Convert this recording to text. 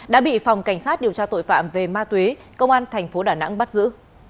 đã bị phòng cảnh sát điều tra tội phạm về ma túy công an thành phố đà nẵng bắt giữ